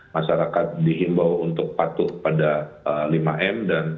masyarakat dihimbau untuk patuh pada lima m